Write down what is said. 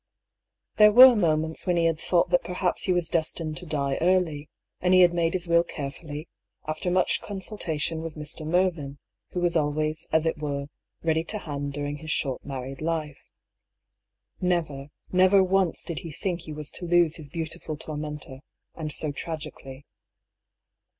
There were moments when he had thought that perhaps he was destined to die early ; and he had made his will carefully, after much consultation with Mr. Mervyn, who was always, as it were, ready to hand dur ing his short married life. Never, never once did he think he was to lose his beautiful tormentor, and so tragically.